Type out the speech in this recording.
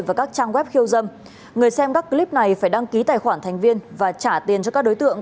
và các trang web khiêu dâm người xem các clip này phải đăng ký tài khoản thành viên và trả tiền cho các đối tượng